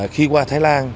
khi qua thái lan